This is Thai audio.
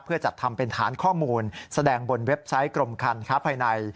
เพื่อจัดทำเป็นฐานข้อมูลแสดงบนเว็บไซต์กรมการค้าภายใน